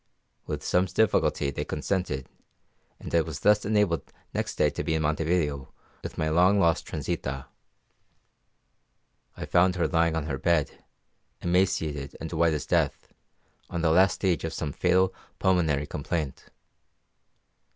With some difficulty they consented, and I was thus enabled next day to be in Montevideo and with my long lost Transita. I found her lying on her bed, emaciated and white as death, in the last stage of some fatal pulmonary complaint.